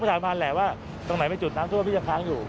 ประหารผ่านแหละว่าตรงไหนไม่จุดน้ำช่วยว่ามันต้องข้างอยู่